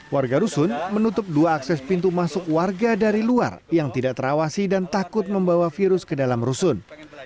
warga rusun menutup dua akses pintu masuk warga dari luar yang tidak terawasi dan takut membawa virus ke dalam rusun